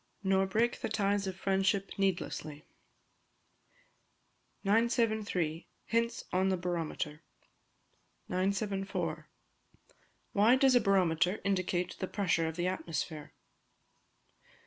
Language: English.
[NOR BREAK THE TIES OF FRIENDSHIP NEEDLESSLY.] 973. Hints on the Barometer. 974. _Why does a Barometer indicate the Pressure of the Atmosphere?